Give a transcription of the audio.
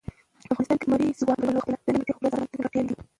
افغانستان د لمریز ځواک له پلوه خپله ځانګړې او پوره ځانته ځانګړتیاوې لري.